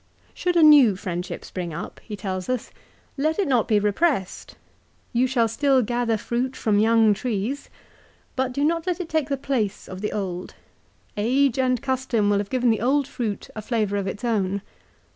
" Should a new friendship spring up," he tells us, " let it not be repressed. You shall still gather fruit from young trees. But do not let it take the place of the old. Age and custom will have given the old fruit a flavour of its own.